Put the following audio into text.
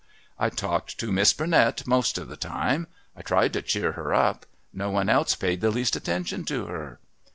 "I talked to Miss Burnett most of the time. I tried to cheer her up. No one else paid the least attention to her."